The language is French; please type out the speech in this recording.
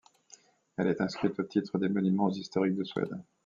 Elle est inscrite au titre des monuments historiques de Suède.